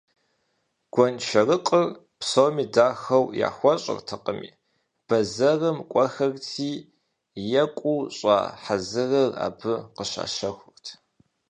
Гуэншэрыкъыр псоми дахэу яхуэщӀыртэкъыми, бэзэрым кӀуэхэрти, екӀуу щӀа хьэзырыр абы къыщащэхурт.